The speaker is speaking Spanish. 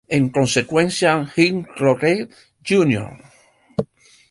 En consecuencia, Jim Crockett Jr.